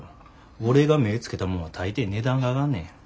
俺が目ぇつけたもんは大抵値段が上がんねん。